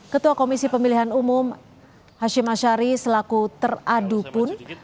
ketua komisi pemilihan umum hashim ashari selaku teradu pun